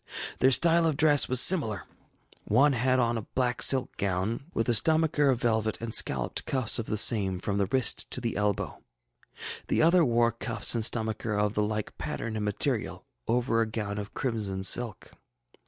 Their style of dress was similar; one had on a black silk gown, with a stomacher of velvet, and scalloped cuffs of the same from the wrist to the elbow; the other wore cuffs and stomacher of the like pattern and material, over a gown of crimson silk.